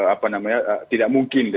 apa namanya tidak mungkin